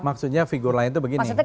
maksudnya figur lain itu begini